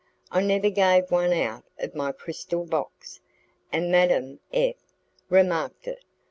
I never gave one out of my crystal box, and Madame F. remarked it.